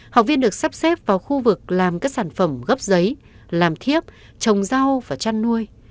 học viên được sắp xếp vào khu vực làm các sản phẩm gấp giấy làm thiếp trồng rau và chăn nuôi